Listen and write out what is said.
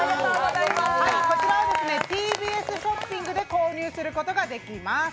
こちらをＴＢＳショッピングで購入することができます。